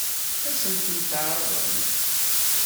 Ad sent-tent-tɛeṛḍemt?